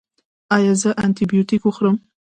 ایا زه انټي بیوټیک وخورم؟